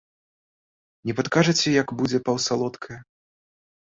Не падкажаце, як будзе паўсалодкае?